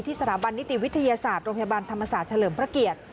สถาบันนิติวิทยาศาสตร์โรงพยาบาลธรรมศาสตร์เฉลิมพระเกียรติ